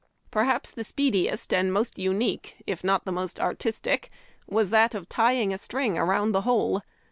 Perhaps the speediest and most unique, if not the most artistic, was that of tying a string around the hole.